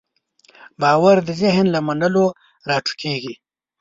باور د ذهن له منلو راټوکېږي.